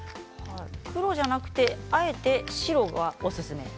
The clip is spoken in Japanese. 黒じゃなくてあえて白がおすすめ。